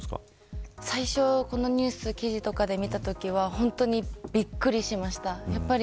最初このニュースを記事とかで見たときは本当にびっくりしました。